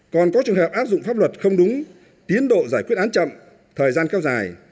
còn có trường hợp áp dụng pháp luật không đúng tiến độ giải quyết án chậm thời gian kéo dài